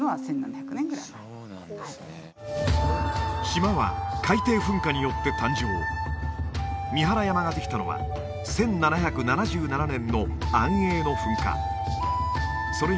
島は海底噴火によって誕生三原山ができたのは１７７７年の安永の噴火それ